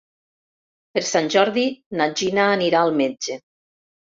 Per Sant Jordi na Gina anirà al metge.